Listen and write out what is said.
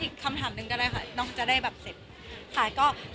เดี๋ยวอีกคำถามนึงก็ได้ค่ะเดี๋ยวน้องคุณจะได้แบบเสร็จ